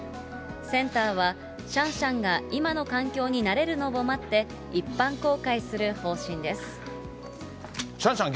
センターはシャンシャンが今の環境に慣れるのを待って、一般公開シャンシャン